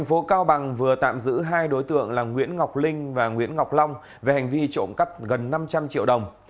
tp cao bằng vừa tạm giữ hai đối tượng là nguyễn ngọc linh và nguyễn ngọc long về hành vi trộm cắp gần năm trăm linh triệu đồng